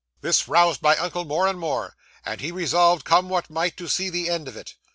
This roused my uncle more and more, and he resolved, come what might, to see the end of it.